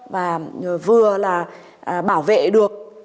và vừa là bảo vệ được